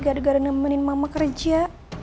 gara gara nemenin mama kerja